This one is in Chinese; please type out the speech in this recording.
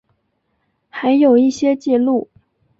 还有一些记录